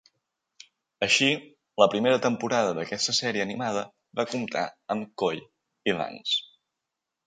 Així, la primera temporada d'aquesta sèrie animada va comptar amb Coy i Vance.